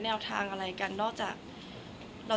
คนเราถ้าใช้ชีวิตมาจนถึงอายุขนาดนี้แล้วค่ะ